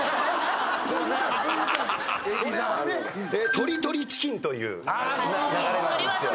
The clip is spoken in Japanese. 鳥鳥チキンという流れなんですよ。